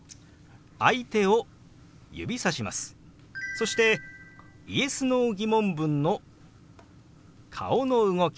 そしてＹｅｓ／Ｎｏー疑問文の顔の動き